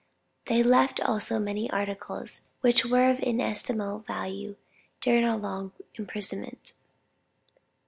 They left also many articles which were of inestimable value during our long imprisonment."